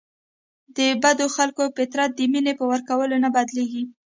د بدو خلکو فطرت د مینې په ورکولو نه بدلیږي.